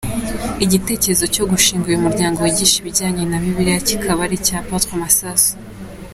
Igitekerezo cyo gushinga uyu muryango wigisha ibijyanye na bibiliya kikaba ari icya Apôtre Masasu.